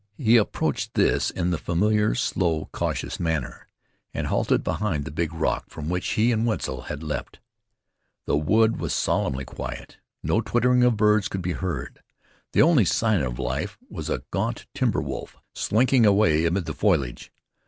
He approached this in the familiar, slow, cautious manner, and halted behind the big rock from which he and Wetzel had leaped. The wood was solemnly quiet. No twittering of birds could be heard. The only sign of life was a gaunt timber wolf slinking away amid the foliage.